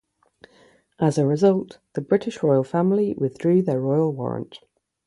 As a result, the British Royal Family withdrew their Royal Warrant.